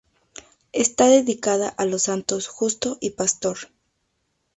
Está dedicada a los santos Justo y Pastor.